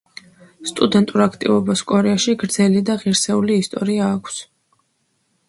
სტუდენტურ აქტივობას კორეაში გრძელი და ღირსეული ისტორია აქვს.